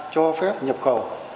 cho phép nhập khẩu